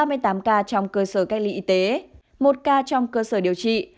ba mươi tám ca trong cơ sở cách ly y tế một ca trong cơ sở điều trị